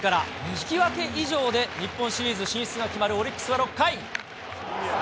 引き分け以上で日本シリーズ進出が決まるオリックスは６回。